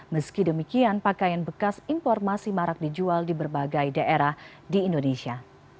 meski demikian pakaian bekas impor masih marak dijual di berbagai daerah di indonesia